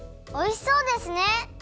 おいしそうですね！